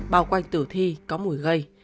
bào quanh tử thi có mùi gây